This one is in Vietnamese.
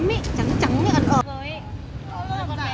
trắng trắng như ăn ẩm